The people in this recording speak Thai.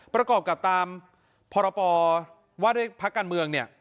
ประกอบกับตามพปวภการเมือง